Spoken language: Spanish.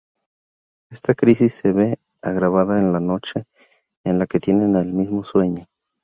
Esta crisis se ve agravada la noche en la que tienen el mismo sueño.